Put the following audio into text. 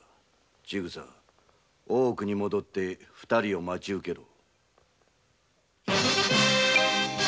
大奥に戻って二人を待ち受けろ。